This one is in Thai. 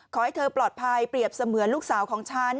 ขอให้เธอปลอดภัยเปรียบเสมือนลูกสาวของฉัน